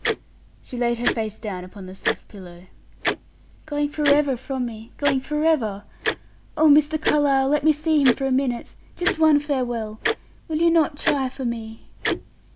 She laid her face down upon the soft pillow. "Going forever from me going forever? Oh, Mr. Carlyle, let me see him for a minute just one farewell! Will you not try for me!"